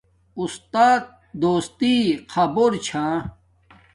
اُستات دوستی خبور چھا